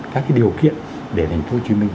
các điều kiện để thành phố hồ chí minh